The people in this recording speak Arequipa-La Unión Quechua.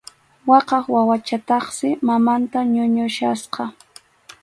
Waqaq wawachataqsi mamanta ñuñuchkasqa.